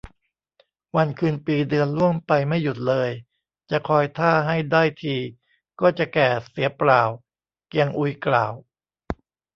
วันคืนปีเดือนล่วงไปไม่หยุดเลย จะคอยท่าให้ได้ทีก็จะแก่เสียเปล่า เกียงอุยกล่าว